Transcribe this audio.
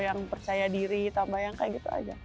yang percaya diri tambah yang kayak gitu aja